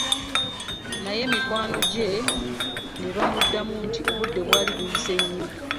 Naye mikwano gye ne bamuddamu nti obudde bwali buyise nnyo.